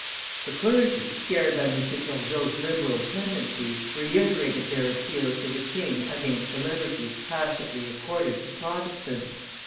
The clergy, scared by M. Turgot's liberal tendencies, reiterated their appeals to the king against the liberties tacitly accorded to Protestants.